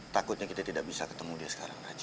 takutnya kita tidak bisa ketemu dia sekarang aja